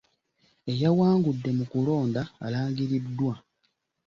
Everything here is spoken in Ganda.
Eyawangudde mu kulonda alangiriddwa.